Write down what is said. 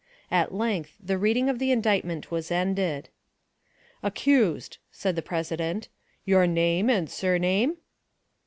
At length the reading of the indictment was ended. "Accused," said the president, "your name and surname?"